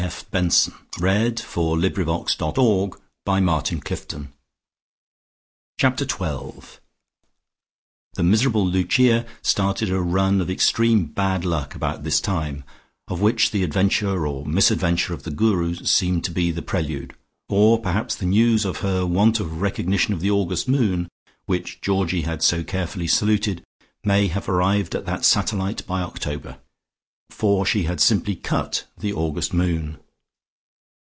Which house will they live at, do you think? Aren't you happy?" Chapter TWELVE The miserable Lucia started a run of extreme bad luck about this time, of which the adventure or misadventure of the Guru seemed to be the prelude, or perhaps the news of her want of recognition of the August moon, which Georgie had so carefully saluted, may have arrived at that satellite by October. For she had simply "cut" the August moon....